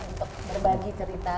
untuk berbagi cerita